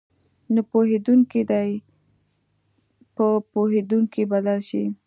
نه پوهېدونکي دې په پوهېدونکي بدل شي.